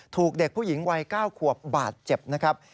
ถูกเด็กผู้หญิงวัย๙ขวบบาดเจ็บนะครับ